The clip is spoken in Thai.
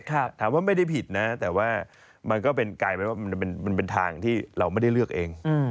ถามว่าไม่ได้ผิดนะแต่ว่ามันก็เป็นกลายเป็นว่ามันเป็นทางที่เราไม่ได้เลือกเอง